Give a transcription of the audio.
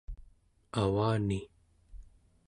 avani